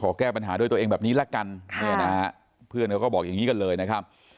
แก้ปัญหาด้วยตัวเองแบบนี้ละกันเนี่ยนะฮะเพื่อนเขาก็บอกอย่างนี้กันเลยนะครับ